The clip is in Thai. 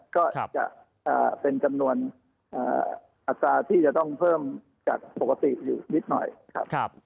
ก็จะเป็นจำนวนอัตราที่จะต้องเพิ่มจากปกติอยู่นิดหน่อยครับ